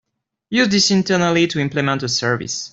Use this internally to implement a service.